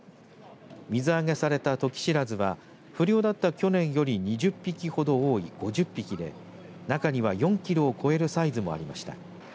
水揚げされたトキシラズは不漁だった去年より２０匹ほど多い５０匹で中には４キロを超えるサイズもありました。